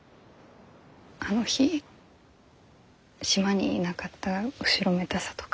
あの日島にいなかった後ろめたさとか。